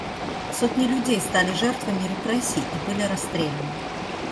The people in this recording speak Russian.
Сотни людей стали жертвами репрессий и были расстреляны.